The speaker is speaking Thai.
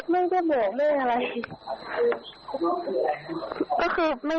ไม่ได้บอกเรื่องอะไร